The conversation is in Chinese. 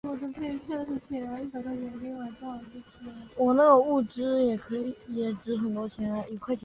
看着外婆慈祥的笑容